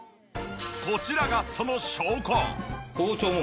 こちらがその証拠。